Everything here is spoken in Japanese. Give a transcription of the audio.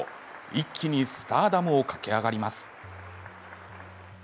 一気にスターダムを駆け上がります。